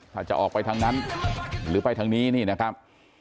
ถ้าจะออกไปทางนั้นหรือไปทางนี้นี่นะครับ